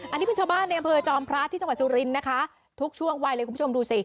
อันนี้เป็นชาวบ้านในอำเภอจอมพระที่จังหวัดสุรินทร์นะคะทุกช่วงวัยเลยคุณผู้ชมดูสิ